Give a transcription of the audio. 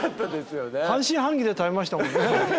半信半疑で食べましたもんね。